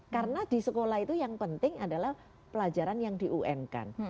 karena di sekolah itu yang penting adalah pelajaran yang diun kan